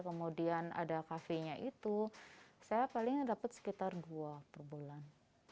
kemudian ada kafenya itu saya paling dapat sekitar dua per bulan